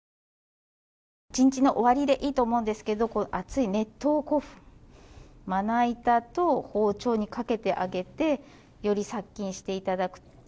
１日の終わりでいいと思うんですけど熱い熱湯をまな板と包丁にかけてあげてより殺菌していただく。